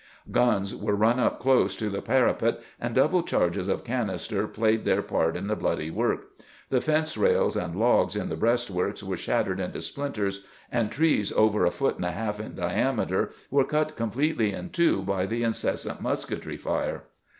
Guns were run up close to the par apet, and double charges of canister played their part in the bloody work. The fence rails and logs in the breastworks were shattered into splinters, and trees over a foot and a half in diameter were cut completely in two by the incessant musketry fire.